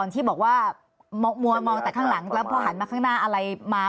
ที่บอกว่ามัวมองแต่ข้างหลังแล้วพอหันมาข้างหน้าอะไรมา